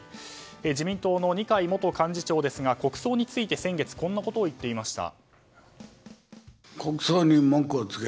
自民党の二階元幹事長ですが国葬について先月こんなことを言っていました。